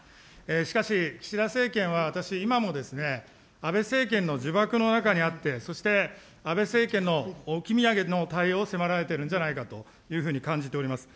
しかし、岸田政権は私、今も安倍政権の呪縛の中にあって、そして安倍政権の置き土産の対応を迫られているんじゃないかというふうに感じております。